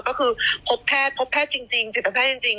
ก็คือพบแพทย์พบแพทย์จริงจิตแพทย์จริง